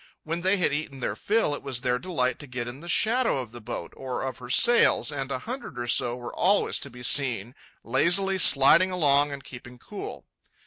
When they had eaten their fill, it was their delight to get in the shadow of the boat, or of her sails, and a hundred or so were always to be seen lazily sliding along and keeping cool.